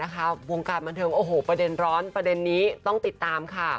วงการบันเทิงโอ้โหประเด็นร้อนประเด็นนี้ต้องติดตามค่ะ